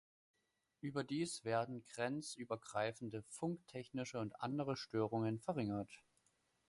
Überdies werden grenzübergreifende funktechnische und andere Störungen verringert.